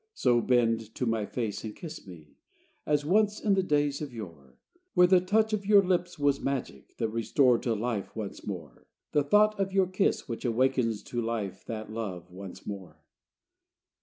So bend to my face and kiss me As once in the days of yore, When the touch of your lips was magic That restored to life once more: The thought of your kiss, which awakens To life that love once more.